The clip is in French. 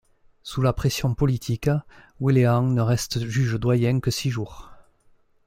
Sous la pression politique, Whelehan ne reste juge doyen que six jours.